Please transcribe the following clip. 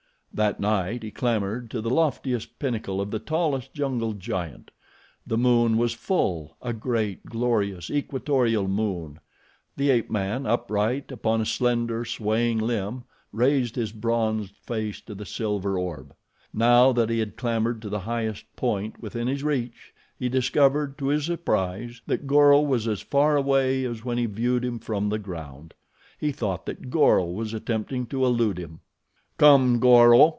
That night he clambered to the loftiest pinnacle of the tallest jungle giant. The moon was full, a great, glorious, equatorial moon. The ape man, upright upon a slender, swaying limb, raised his bronzed face to the silver orb. Now that he had clambered to the highest point within his reach, he discovered, to his surprise, that Goro was as far away as when he viewed him from the ground. He thought that Goro was attempting to elude him. "Come, Goro!"